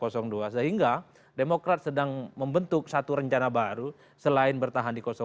sehingga demokrat sedang membentuk satu rencana baru selain bertahan di dua